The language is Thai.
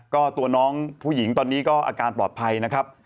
ก็ตัวน้องผู้หญิงตอนนี้ก็อาการปลอดภัยนะครับ